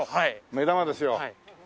目玉ですよこれ。